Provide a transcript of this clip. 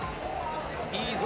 いいぞ。